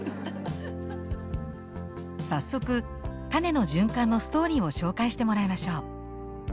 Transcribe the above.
早速種の循環のストーリーを紹介してもらいましょう。